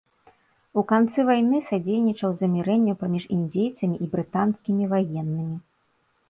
У канцы вайны садзейнічаў замірэнню паміж індзейцамі і брытанскімі ваеннымі.